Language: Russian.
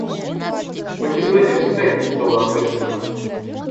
Македония всегда действовала ответственно.